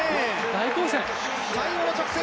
大混戦。